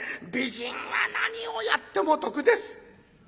美人は何をやっても得です。